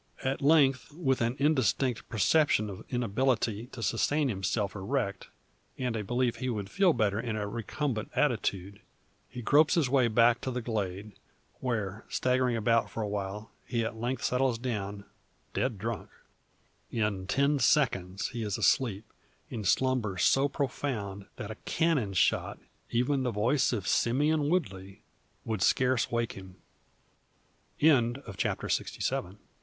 At length, with an indistinct perception of inability to sustain himself erect, and a belief he would feel better in a recumbent attitude, he gropes his way back to the glade, where, staggering about for a while, he at length settles down, dead drunk. In ten seconds he is asleep, in slumber so profound, that a cannon shot even the voice of Simeon Woodley would scarce awake him. CHAPTER SIXTY EIGHT. "BRASFORT."